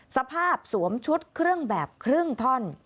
สวมชุดเครื่องแบบครึ่งท่อน